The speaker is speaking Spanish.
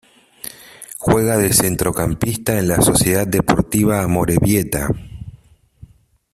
Juega de centrocampista en la Sociedad Deportiva Amorebieta.